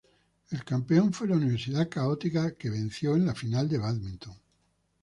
El campeón fue Universidad Católica que venció en la final a Badminton.